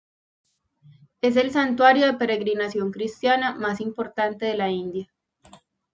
Es el santuario de peregrinación cristiana más importante de la India.